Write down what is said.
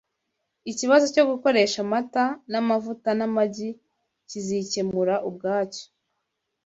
Ikibazo cyo gukoresha amata n’amavuta n’amagi kizikemura ubwacyo